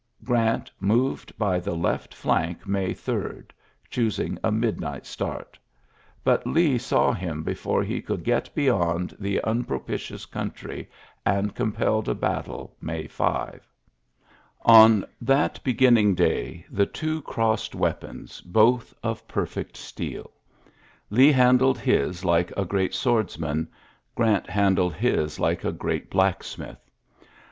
Grant moved by the left flank May 8, choosing a midnight start. But Lee saw him before he could get beyond the nu ll Drary wo 106 XJLYSSES S. GEANT propitions coantry^ and compelled a battle May 5. On tliat beginning day the two crossed weapons, both of perfect steeL Lee handled his like a great swordsman: Grant handled his like a great black smith.